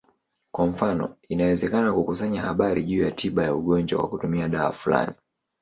Kwa mfano, inawezekana kukusanya habari juu ya tiba ya ugonjwa kwa kutumia dawa fulani.